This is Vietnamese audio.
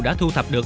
đã thu thập được